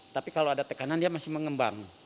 tapi kalau ada tekanan dia masih mengembang